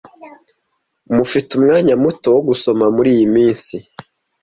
Mufite umwanya muto wo gusoma muriyi minsi.